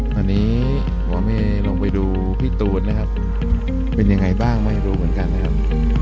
ตอนนี้หมอเมย์ลงไปดูพี่ตูนนะครับเป็นยังไงบ้างไม่รู้เหมือนกันนะครับ